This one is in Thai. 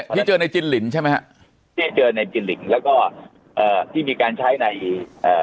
ที่เจอในจินลินใช่ไหมฮะที่เจอในจินลิงแล้วก็เอ่อที่มีการใช้ในเอ่อ